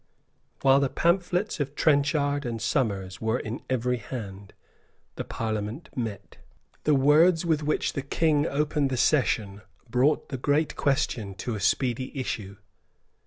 While the pamphlets of Trenchard and Somers were in every hand, the Parliament met. The words with which the King opened the session brought the great question to a speedy issue.